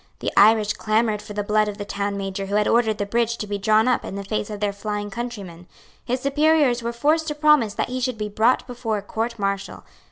The Irish clamoured for the blood of the Town Major who had ordered the bridge to be drawn up in the face of their flying countrymen. His superiors were forced to promise that he should be brought before a court martial.